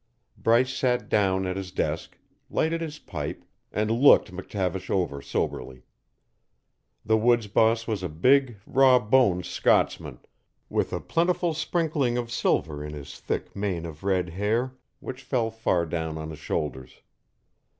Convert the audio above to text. Bryce sat down at his desk, lighted his pipe, and looked McTavish over soberly. The woods boss was a big, raw boned Scotsman, with a plentiful sprinkling of silver in his thick mane of red hair, which fell far down on his shoulders.